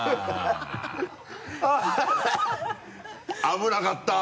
危なかった！